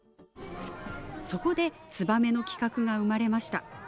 そこで「ツバメ」の企画が生まれました。